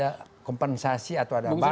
tanpa ada kompensasi atau ada bargan